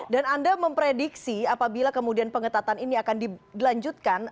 dan anda memprediksi apabila kemudian pengetatan ini akan dilanjutkan